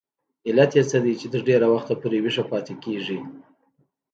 علت یې څه دی چې تر ډېره وخته ویښه پاتې کیږي؟